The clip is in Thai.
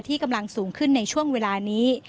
กำลังสูงขึ้นในช่วงเวลานี้